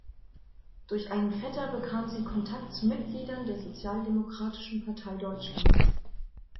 Durch einen Vetter bekam sie Kontakt zu Mitgliedern der Sozialdemokratischen Partei Deutschlands.